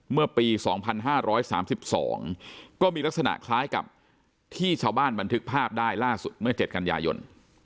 เมื่อปี๒๕๓๒ก็มีลักษณะคล้ายกับที่ชาวบ้านบันทึกภาพได้ล่าสุดเมื่อ๗กันยายน